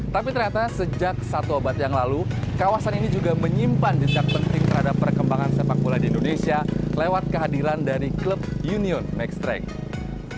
tapi ternyata sejak satu abad yang lalu kawasan ini juga menyimpan jejak penting terhadap perkembangan sepak bola di indonesia lewat kehadiran dari klub union max track